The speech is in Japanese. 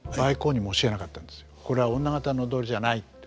これは女方の踊りじゃないって。